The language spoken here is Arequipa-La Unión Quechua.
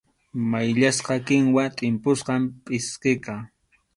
Mayllasqa kinwa tʼimpusqam pʼsqiqa.